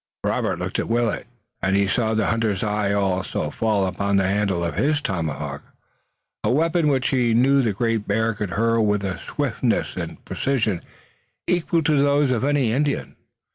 Robert looked at Willet, and he saw the hunter's eye also fall upon the handle of his tomahawk, a weapon which he knew the Great Bear could hurl with a swiftness and precision equal to those of any Indian.